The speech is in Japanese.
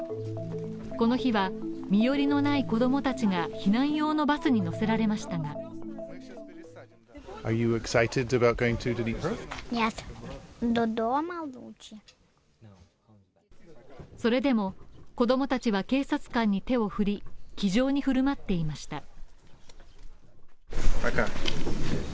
この日は身寄りのない子供たちが避難用のバスに乗せられましたがそれでも子供たちは警察官に手を振り気丈に振る舞っていました。